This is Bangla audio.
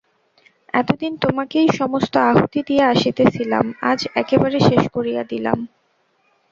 এতদিন তোমাকেই সমস্ত আহুতি দিয়া আসিতেছিলাম, আজ একেবারে শেষ করিয়া দিলাম।